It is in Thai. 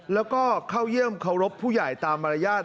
แล้วก็เข้าเยี่ยมเคารพผู้ใหญ่ตามมารยาท